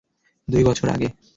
দুই বছর আগে।